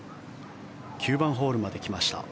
９番ホールまで来ました。